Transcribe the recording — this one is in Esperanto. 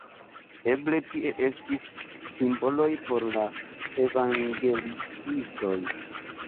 Eble tie estis simboloj por la evangeliistoj.